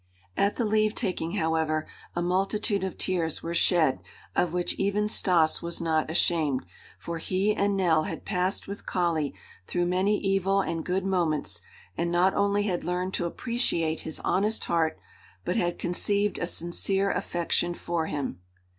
At the leave taking, however, a multitude of tears were shed of which even Stas was not ashamed, for he and Nell had passed with Kali through many evil and good moments and not only had learned to appreciate his honest heart, but had conceived a sincere affection for him.